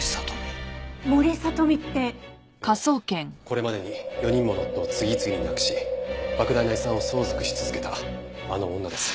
これまでに４人もの夫を次々に亡くし莫大な遺産を相続し続けたあの女です。